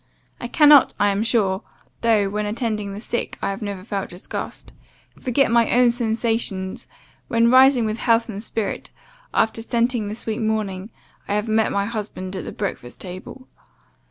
I cannot, I am sure (though, when attending the sick, I never felt disgust) forget my own sensations, when rising with health and spirit, and after scenting the sweet morning, I have met my husband at the breakfast table.